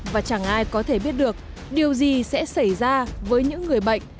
và chẳng ai có thể biết được điều gì sẽ xảy ra với những người bệnh